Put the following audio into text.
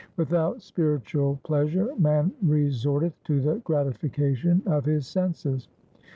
Without spiritual pleasure man resorteth to the gratification of his senses.